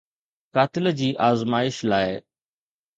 قاتل جي آزمائش لاء